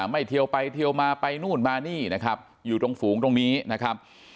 เทียวไปเทียวมาไปนู่นมานี่นะครับอยู่ตรงฝูงตรงนี้นะครับ